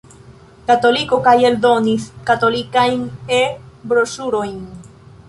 Katoliko kaj eldonis katolikajn E-broŝurojn.